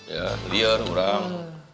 ya liar orang